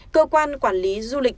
cơ quan quản lý du lịch